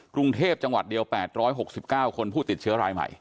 กรุงเทพจังหวัดเดียว๘๖๙คนผู้ติดเชื้อรายใหม่